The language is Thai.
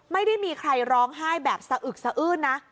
ไม่ได้มีใครร้องไห้แบบสะอึกสะอื้นนะ